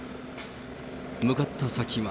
向かった先は。